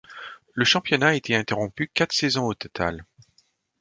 Le championnat a été interrompu quatre saisons au total.